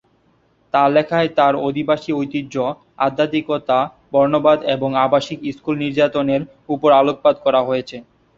তাঁর লেখায় তার আদিবাসী ঐতিহ্য, আধ্যাত্মিকতা, বর্ণবাদ এবং আবাসিক স্কুল নির্যাতনের উপর আলোকপাত করা হয়েছে।